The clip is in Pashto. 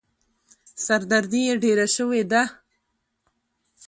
سر دردي يې ډېره شوې وه.